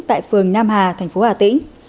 tại phường nam hà thành phố hà tĩnh